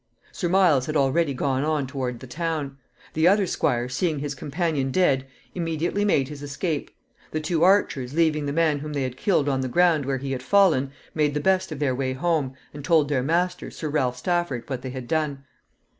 Sir Miles had already gone on toward the town. The other squire, seeing his companion dead, immediately made his escape. The two archers, leaving the man whom they had killed on the ground where he had fallen, made the best of their way home, and told their master, Sir Ralph Stafford, what they had done.